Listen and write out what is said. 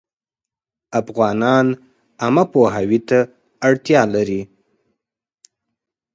افغانان عامه پوهاوي ته اړتیا لري